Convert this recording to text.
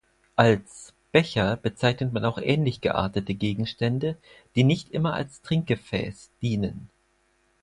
Als "Becher" bezeichnet man auch ähnlich geartete Gegenstände, die nicht immer als Trinkgefäß dienen.